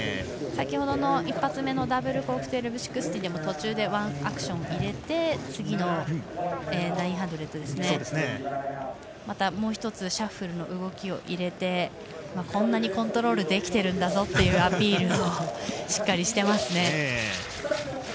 先ほどの１発目のダブルコーク１６２０でも途中でワンアクション入れて次の９００にまた、もう１つシャッフルの動きを入れてこんなにコントロールできてるんだぞというアピールをしっかりしていますね。